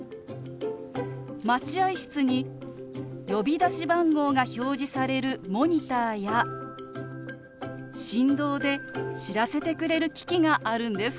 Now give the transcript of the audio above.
待合室に呼び出し番号が表示されるモニターや振動で知らせてくれる機器があるんです。